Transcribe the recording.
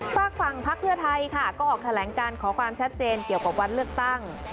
ฝากฝั่งพักเพื่อไทยค่ะก็ออกแถลงการขอความชัดเจนเกี่ยวกับวันเลือกตั้ง